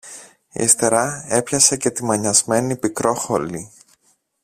Ύστερα έπιασε και τη μανιασμένη Πικρόχολη